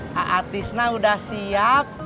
pak atisna udah siap